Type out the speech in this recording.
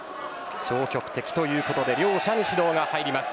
消極的ということで両者に指導が入ります。